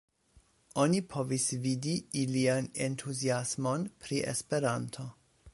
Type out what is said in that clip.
Oni povis vidi ilian entuziasmon pri Esperanto.